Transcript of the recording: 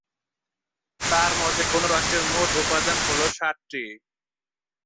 তার মতে, কোন রাষ্ট্রের মোট উপাদান হল সাতটি।